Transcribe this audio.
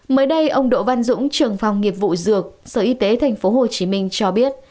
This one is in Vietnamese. mới đây ông độ văn dũng trưởng phòng nghiệp vụ dược sở y tế tp hcm cho biết